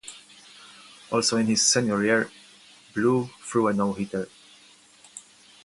Also in his senior year, Blue threw a no-hitter.